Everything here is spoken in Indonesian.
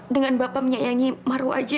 dengan bapak menyayangi maru aja